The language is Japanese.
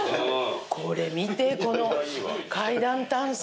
これ見てこの階段たんす。